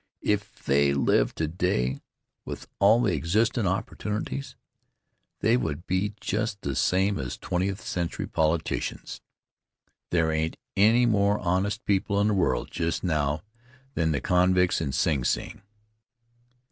If they lived today, with all the existin' opportunities, they would be just the same as twentieth century politicians. There ain't any more honest people in the world just now than the convicts in Sing Sing.